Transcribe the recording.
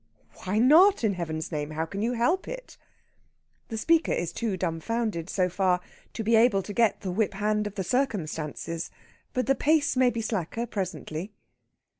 "Why not, in Heaven's name? How can you help it?" The speaker is too dumbfounded, so far, to be able to get the whip hand of the circumstances. But the pace may be slacker presently.